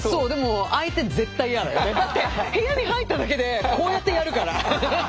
部屋に入っただけでこうやってやるから。